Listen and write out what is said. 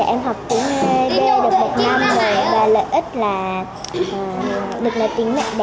em học tiếng ấy đê được một năm rồi và lợi ích là được nói tiếng mẹ đẻ